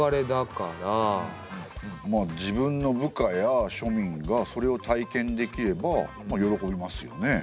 まあ自分の部下や庶民がそれを体験できればまあ喜びますよね。